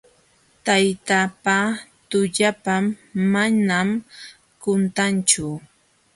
Tayta pa tullapan manam quntanchu.